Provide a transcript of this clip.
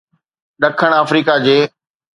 ڏکڻ آفريڪا جي